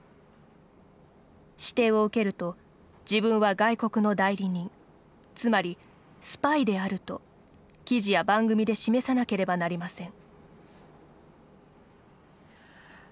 指定を受けると自分は外国の代理人つまりスパイであると記事や番組で示さなければなりません。